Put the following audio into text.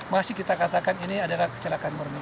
masih kita katakan ini adalah kecelakaan murni